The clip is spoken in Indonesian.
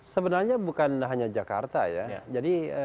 sebenarnya bukan hanya jakarta ya